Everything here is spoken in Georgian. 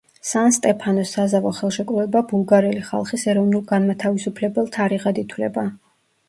სან-სტეფანოს საზავო ხელშეკრულება ბულგარელი ხალხის ეროვნულ-განმათავისუფლებელ თარიღად ითვლება.